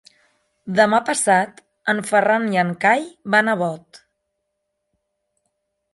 Demà passat en Ferran i en Cai van a Bot.